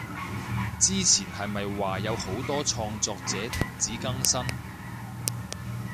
之前係咪話有好多創作者停止更新？